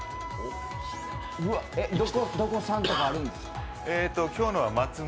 どこ産とかあるんですか？